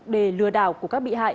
để lừa đảo của các bị hại